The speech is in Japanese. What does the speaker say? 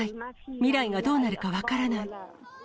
未来がどうなるか分からない。